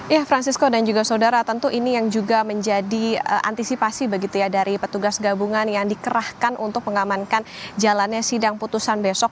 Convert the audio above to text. ya francisco dan juga saudara tentu ini yang juga menjadi antisipasi begitu ya dari petugas gabungan yang dikerahkan untuk mengamankan jalannya sidang putusan besok